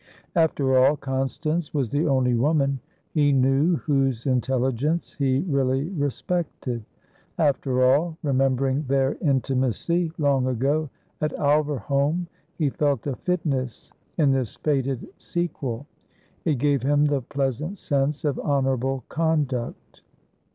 After all, Constance was the only woman he knew whose intelligence he really respected. After all, remembering their intimacy long ago at Alverholme, he felt a fitness in this fated sequel. It gave him the pleasant sense of honourable conduct.